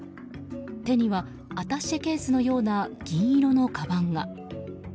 手にはアタッシェケースのような銀色のかばんが。